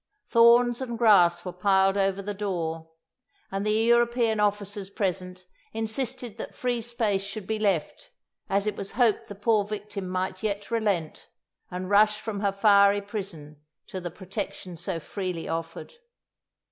Thorns and grass were piled over the door, and the European officers present insisted that free space should be left, as it was hoped the poor victim might yet relent, and rush from her fiery prison to the protection so freely offered.